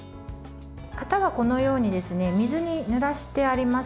型はこのように水にぬらしてあります。